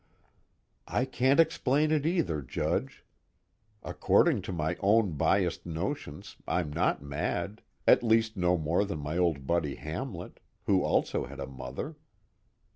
_I can't explain it either, Judge. According to my own biased notions, I'm not mad, at least no more than my old buddy Hamlet, who also had a mother.